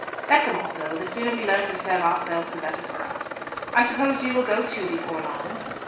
Let them all go; the sooner we learn to serve ourselves the better for us. I suppose you will go too before long."